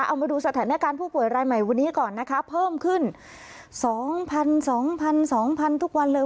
เอามาดูสถานการณ์ผู้ป่วยรายใหม่วันนี้ก่อนนะคะเพิ่มขึ้นสองพันสองพันสองพันทุกวันเลย